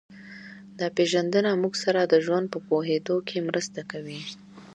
دا پېژندنه موږ سره د ژوند په پوهېدو کې مرسته کوي